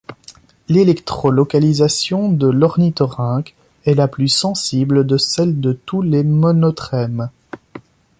L'électrolocalisation de l'ornithorynque est la plus sensible de celles de tous les monotrèmes.